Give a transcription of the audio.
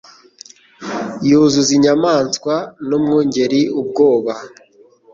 yuzuza inyamaswa n'umwungeri ubwoba